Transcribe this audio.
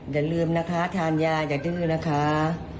อย่าลืมนะคะทานยาอย่าดื้อนะคะ